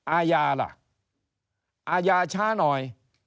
อาญาล่ะอาญาช้าหน่อย